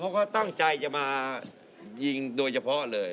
เขาก็ตั้งใจจะมายิงโดยเฉพาะเลย